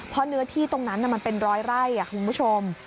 เพราะเนื้อที่ตรงนั้นมันเป็นร้อยไร่คุณผู้ชม